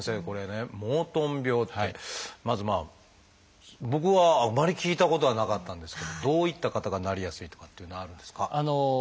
これね「モートン病」ってまず僕はあんまり聞いたことはなかったんですけどどういった方がなりやすいとかっていうのはあるんですか？